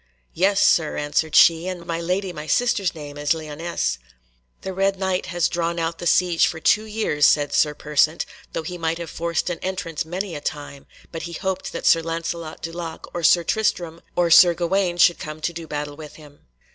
"Yes, Sir," answered she, "and my lady my sister's name is dame Lyonesse." "The Red Knight has drawn out the siege for two years," said Sir Persant, "though he might have forced an entrance many a time, but he hoped that Sir Lancelot du Lake or Sir Tristram or Sir Gawaine should come to do battle with him."